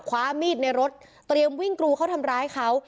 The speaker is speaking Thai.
คว้ามีดในรถเตรียมวิ่งกรูเขาทำร้ายเขา